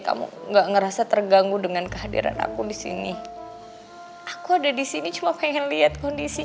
kamu nggak ngerasa terganggu dengan kehadiran aku disini aku ada di sini cuma pengen lihat kondisi